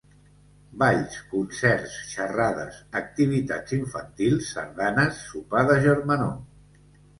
Balls, concerts, xerrades, activitats infantils, sardanes, sopar de germanor.